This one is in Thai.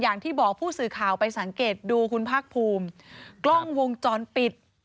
อย่างที่บอกผู้สื่อข่าวไปสังเกตดูคุณภาคภูมิกล้องวงจรปิด